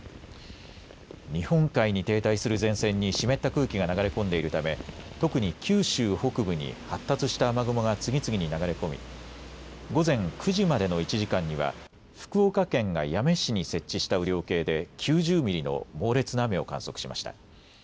日本海に停滞する前線に湿った空気が流れ込んでいるため特に九州北部に発達した雨雲が次々に流れ込み午前９時までの１時間には福岡県が八女市に設置した雨量計で９０ミリの猛烈な雨を観測しました。